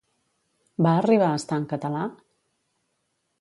Va arribar a estar en català?